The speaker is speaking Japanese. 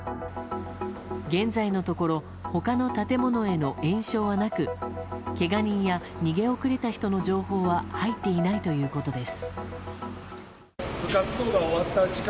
現在のところ他の建物への延焼はなくけが人や逃げ遅れた人の情報は入っていないということです。